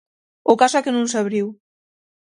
O caso é que non se abriu.